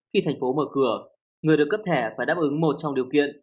khi thành phố mở cửa người được cấp thẻ phải đáp ứng một trong điều kiện